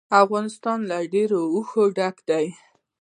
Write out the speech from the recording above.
افغانستان له اوښ ډک دی.